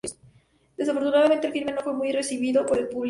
Desafortunadamente, el filme no fue muy bien recibido por el público.